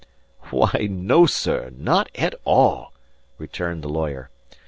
"Why, no, sir, not at all," returned the lawyer.